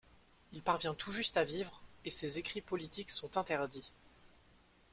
Il parvient tout juste à vivre et ses écrits politiques sont interdits.